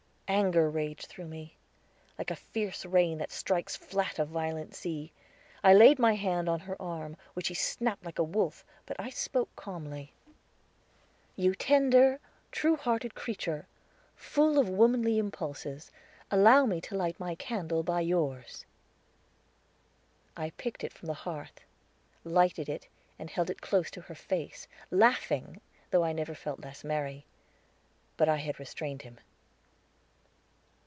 Anger raged through me like a fierce rain that strikes flat a violent sea. I laid my hand on her arm, which she snapped at like a wolf, but I spoke calmly: "You tender, true hearted creature, full of womanly impulses, allow me to light my candle by yours!" I picked it from the hearth, lighted it, and held it close to her face, laughing, though I never felt less merry. But I had restrained him.